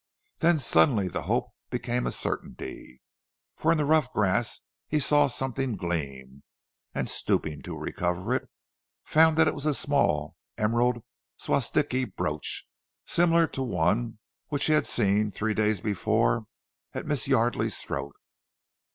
Then suddenly the hope became a certainty, for in the rough grass he saw something gleam, and stooping to recover it, found that it was a small enamelled Swastiki brooch similar to one which he had seen three days before at Miss Yardely's throat.